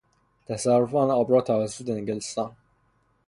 تصرف آن آبراه توسط انگلستان